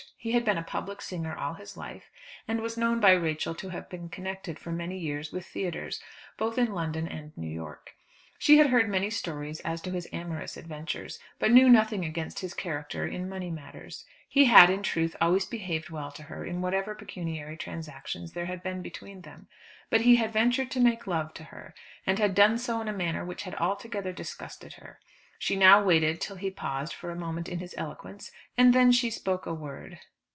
He had been a public singer all his life, and was known by Rachel to have been connected for many years with theatres both in London and New York. She had heard many stories as to his amorous adventures, but knew nothing against his character in money matters. He had, in truth, always behaved well to her in whatever pecuniary transactions there had been between them. But he had ventured to make love to her, and had done so in a manner which had altogether disgusted her. She now waited till he paused for a moment in his eloquence, and then she spoke a word.